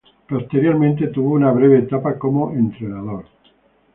Posteriormente, tuvo una breve etapa como entrenador.